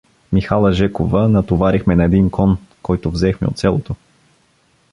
Михала Жекова натоварихме на един кон, който взехме от селото.